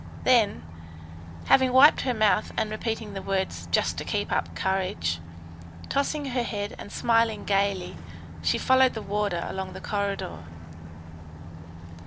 Then, having wiped her mouth and repeating the words "just to keep up courage," tossing her head and smiling gaily, she followed the warder along the corridor.